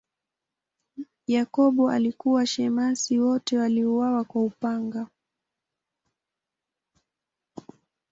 Yakobo alikuwa shemasi, wote waliuawa kwa upanga.